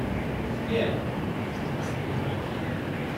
‘Here,’ said Mr. Pickwick.